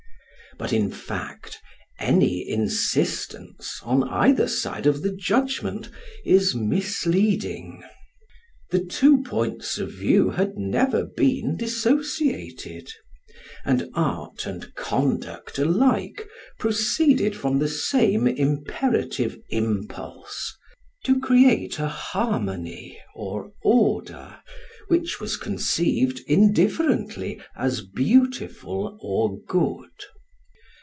But, in fact, any insistance on either side of the judgment is misleading. The two points of view had never been dissociated; and art and conduct alike proceeded from the same imperative impulse, to create a harmony or order which was conceived indifferently as beautiful or good.